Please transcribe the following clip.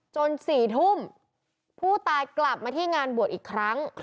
๔ทุ่มผู้ตายกลับมาที่งานบวชอีกครั้ง